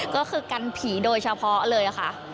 ก็คือกันผีโดยเฉพาะเลยค่ะ